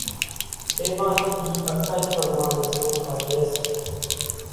تيوانۿين اِي اڪائي پرماڻي سوکا لي سي۔